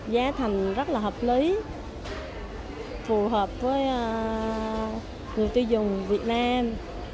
giá thành rất là hợp lý phù hợp với người tiêu dùng việt nam